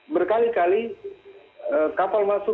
berkali kali kapal masuk